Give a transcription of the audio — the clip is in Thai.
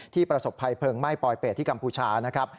ประสบภัยเพลิงไหม้ปลอยเป็ดที่กัมพูชานะครับ